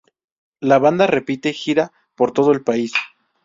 La banda repite gira por todo el país.